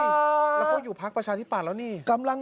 แล้วก็อยู่พักประชานิปันแล้วนี่